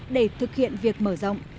để thực hiện việc mở rộng